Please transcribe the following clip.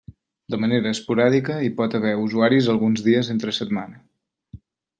De manera esporàdica, hi pot haver usuaris alguns dies entre setmana.